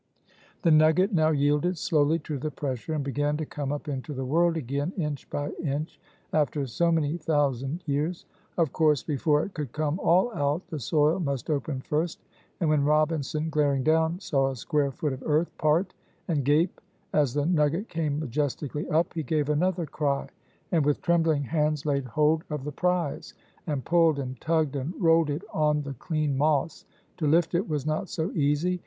The nugget now yielded slowly to the pressure and began to come up into the world again inch by inch after so many thousand years. Of course, before it could come all out, the soil must open first, and when Robinson, glaring down, saw a square foot of earth part and gape as the nugget came majestically up, he gave another cry, and with trembling hands laid hold of the prize, and pulled and tugged and rolled it on the clean moss to lift it was not so easy.